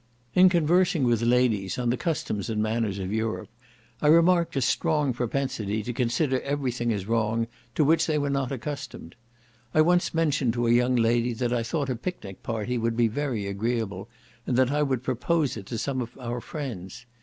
In conversing with ladies on the customs and manners of Europe, I remarked a strong propensity to consider every thing as wrong to which they were not accustomed. I once mentioned to a young lady that I thought a picnic party would be very agreeable, and that I would propose it to some of our friends.